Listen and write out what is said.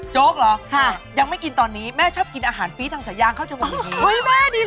โจ๊กเหรอยังไม่กินตอนนี้แม่ชอบกินอาหารฟรีทางสายางเข้าจังหวังในเฮียเฮ้ยแม่ดีเหรอ